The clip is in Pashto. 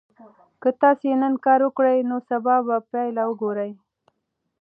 که تاسي نن کار وکړئ نو سبا به پایله وګورئ.